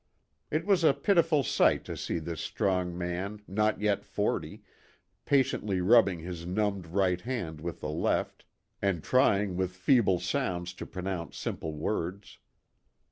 It was a pitiful sight to see this strong man, not yet forty, patiently rubbing his numbed right hand with the left, and trying with feeble sounds to pronounce simple words.